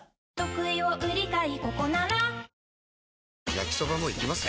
焼きソバもいきます？